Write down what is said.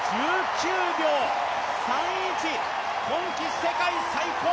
１９秒３１、今季世界最高。